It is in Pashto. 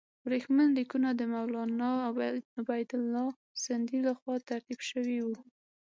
ورېښمین لیکونه د مولنا عبیدالله سندي له خوا ترتیب شوي وو.